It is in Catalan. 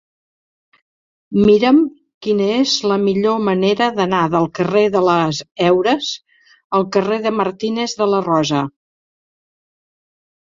Mira'm quina és la millor manera d'anar del carrer de les Heures al carrer de Martínez de la Rosa.